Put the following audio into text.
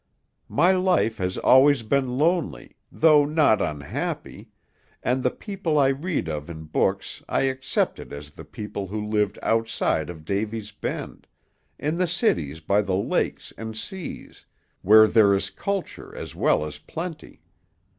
My life has always been lonely, though not unhappy, and the people I read of in books I accepted as the people who lived outside of Davy's Bend, in the cities by the lakes and seas, where there is culture as well as plenty.